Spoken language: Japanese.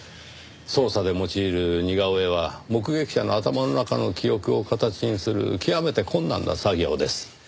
捜査で用いる似顔絵は目撃者の頭の中の記憶を形にする極めて困難な作業です。